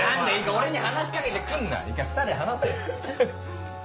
俺に話し掛けて来んな一回２人で話せよ。